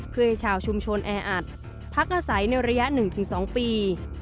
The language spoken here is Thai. เพื่อให้ชาวชุมชนแออัดพักอาศัยในระยะ๑๒ปี